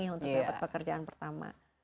untuk dapat pekerjaan pertama